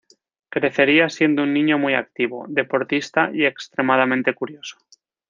Crecería siendo un niño muy activo, deportista y extremadamente curioso.